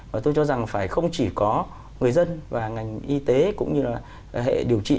và tôi cho rằng phải không chỉ có người dân và ngành y tế cũng như là hệ điều trị